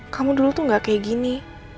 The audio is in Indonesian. kamu dulu tuh gak kayak gini